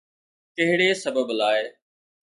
ڪهڙي سبب لاءِ؟